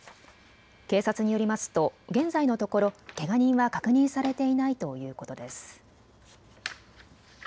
警察によりますと現在のところけが人は確認されていないということです。